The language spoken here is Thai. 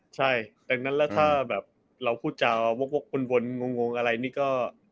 ใช่แล้วถ้าเราพูดเจาะวกบนบนงงอะไรนี่ก็